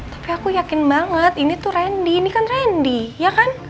tapi aku yakin banget ini tuh randy ini kan randy ya kan